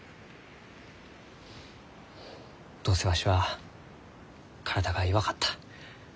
どうせわしは体が弱かった。